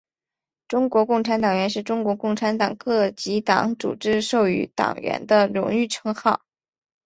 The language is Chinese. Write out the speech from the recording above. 优秀共产党员是中国共产党各级党组织授予党员的荣誉称号。